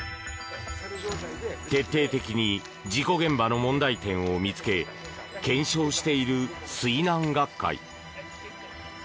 徹底的に事故現場の問題点を見つけ検証している水難学会。